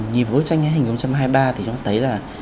nhìn vô tranh hành hướng một trăm hai mươi ba thì chúng ta thấy là